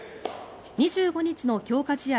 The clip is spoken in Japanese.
２５日の強化試合